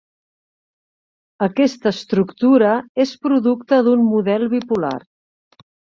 Aquesta estructura és producte d'un model bipolar.